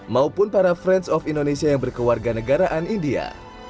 maupun para friends of indonesia yang berkewarga negaraan india